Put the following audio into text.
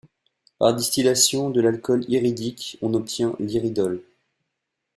Par distillation de l'acide iridique, on obtient l'iridol.